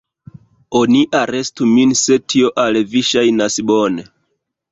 Oni arestu min se tio al vi ŝajnas bone.